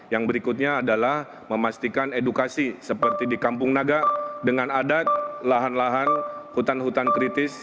yang berikutnya adalah memastikan edukasi seperti di kampung naga dengan adat lahan lahan hutan hutan kritis